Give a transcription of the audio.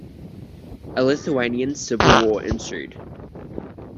A Lithuanian civil war ensued.